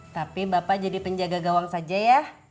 tapi bapak jadi penjaga gawang saja ya